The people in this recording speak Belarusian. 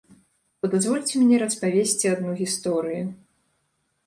То дазвольце мне распавесці адну гісторыю.